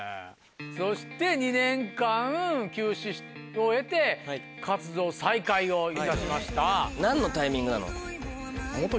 そして２年間休止を経て活動再開をいたしました。